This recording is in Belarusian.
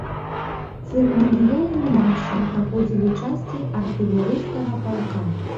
Цырыманіяльным маршам праходзілі часці артылерыйскага палка.